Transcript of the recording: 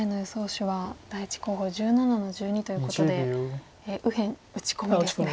手は第１候補１７の十二ということで右辺打ち込みですね。